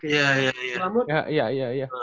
kram otak ya ya ya